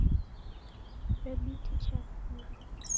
Kirebiti chasia.